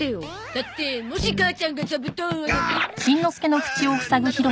だってもし母ちゃんが座布団を。